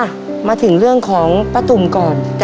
อะมาถึงเรื่องของของต๊อตุ๋มก่อน